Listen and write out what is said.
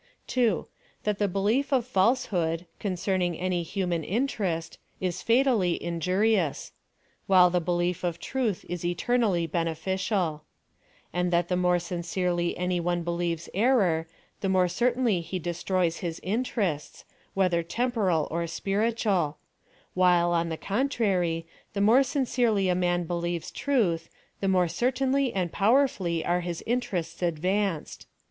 2. That the belief of falsehood, concerning any human interest, is fatally injurious ; while the be lief of truth is eternally beneficial. And, that the more sincerely any one believes error, the more certainly he destroys his interests, whether tempo ral or spiritual ; while, on the contrary, the more sincerely a man believes truth, the more certainly and powerfnlly are his interests advanced.